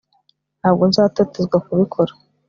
ntabwo nzatotezwa kubikora